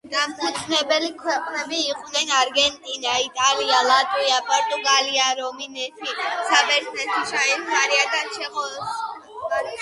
დამფუძნებელი ქვეყნები იყვნენ: არგენტინა, იტალია, ლატვია, პორტუგალია, რუმინეთი, საბერძნეთი, შვეიცარია და ჩეხოსლოვაკია.